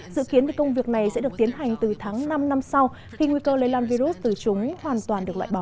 dự kiến công việc này sẽ được tiến hành từ tháng năm năm sau khi nguy cơ lây lan virus từ chúng hoàn toàn được loại bỏ